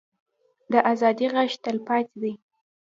د ازادۍ غږ تلپاتې دی